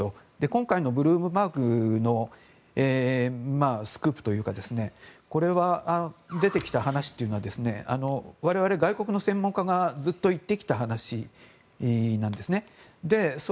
今回のブルームバーグのスクープというかこの出てきた話というのは我々、外国の専門家がずっと言ってきた話なんですね。